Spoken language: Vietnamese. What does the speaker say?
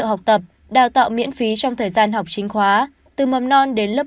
bạn bè có thể tham gia học tập đào tạo miễn phí trong thời gian học chính khóa từ mầm non đến lớp một mươi hai